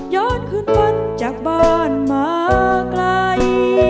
ย้อนขึ้นวันจากบ้านมาไกล